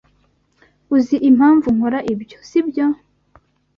Uzi impamvu nkora ibyo, sibyo?